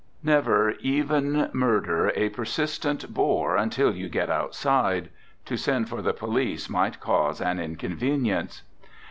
Never even murder a persistent bore until you get outside. To send for the police might cause an inconvenience.